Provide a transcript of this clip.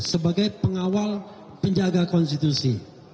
sebagai pengawal penjaga konstitusi